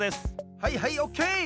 はいはいオッケー！